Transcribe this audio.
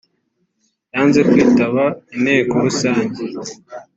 yanze kwitaba inteko rusange